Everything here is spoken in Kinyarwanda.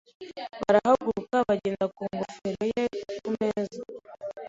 Barahaguruka, bagera ku ngofero ye ku meza.